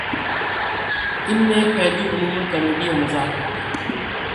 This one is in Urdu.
ان میں ایک پہلو عمومًا کامیڈی یا مزاح کا ہوتا ہے